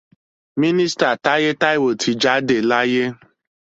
Mínísítà Táyé Taiwò ti jáde láyé